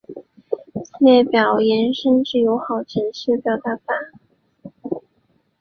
此列表延伸至友好城市列表法国。